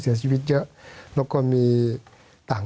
สวัสดีครับทุกคน